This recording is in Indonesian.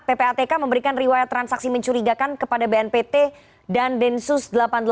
ppatk memberikan riwayat transaksi mencurigakan kepada bnpt dan densus delapan puluh delapan